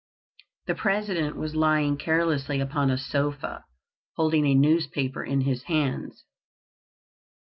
The President was lying carelessly upon a sofa, holding a newspaper in his hands.